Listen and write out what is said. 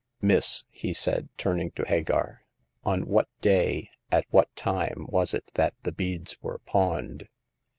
Miss," he said, turning to Hagar, on what day, at what time, was it that the beads were pawned